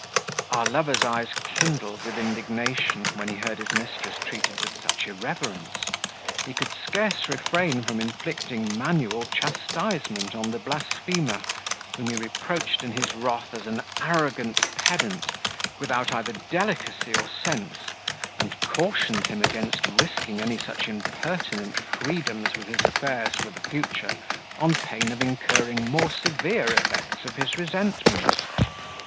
Our lover's eyes kindled with indignation, when he heard his mistress treated with such irreverence: he could scarce refrain from inflicting manual chastisement on the blasphemer, whom he reproached in his wrath as an arrogant pedant, without either delicacy or sense, and cautioned him against rising any such impertinent freedoms with his affairs for the future on pain of incurring more severe effects of his resentment.